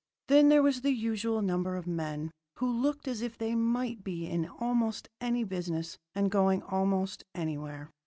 Then there was the usual number of men who looked as if they might be in almost any business and going almost anywhere.